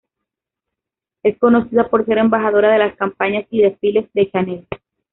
Es conocida por ser embajadora de las campañas y desfiles de Chanel.